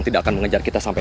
memang menurut saya